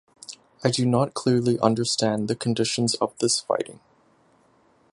I do not clearly understand the conditions of this fighting.